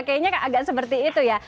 kayaknya agak seperti itu ya